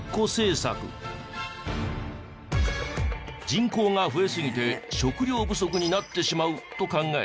人口が増えすぎて食料不足になってしまうと考え